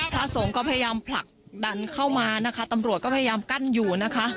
พระสงฆ์ก็พยายามผลักดันเข้ามานะคะตำรวจก็พยายามกั้นอยู่นะคะ